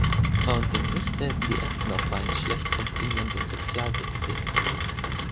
Frauen sind nicht selten die ersten Opfer eines schlecht funktionierenden Sozialsystems.